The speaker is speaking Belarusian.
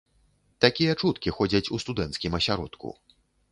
Такія чуткі ходзяць у студэнцкім асяродку.